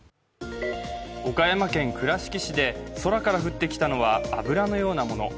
岡山県倉敷市で、空から降ってきたのは油のようなもの。